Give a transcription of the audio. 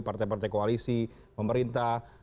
partai partai koalisi pemerintah